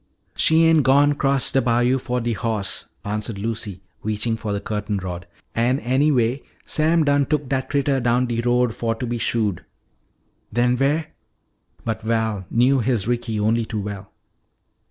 "She ain' gone 'cross de bayo' fo' de hoss," answered Lucy, reaching for the curtain rod. "An' anyway, Sam done took dat critter down de road fo' to be shoed." "Then where " But Val knew his Ricky only too well.